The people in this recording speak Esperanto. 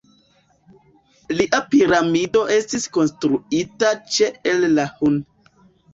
Lia piramido estis konstruita ĉe El-Lahun.